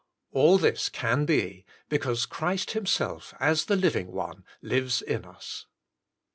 All this can be, because Christ Himself, as the Living One, lives in us.